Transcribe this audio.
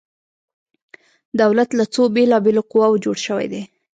دولت له څو بیلا بیلو قواو جوړ شوی دی؟